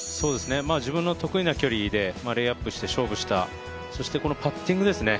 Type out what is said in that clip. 自分の得意な距離でレイアップして勝負した、そしてこのパッティングですね。